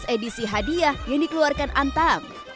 khusus edisi hadiah yang dikeluarkan antam